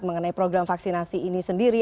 mengenai program vaksinasi ini sendiri